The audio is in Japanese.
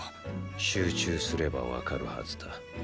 集中すればわかるはずだ。